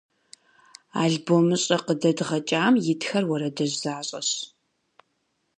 Албомыщӏэ къыдэдгъэкӏам итхэр уэрэдыжь защӏэщ.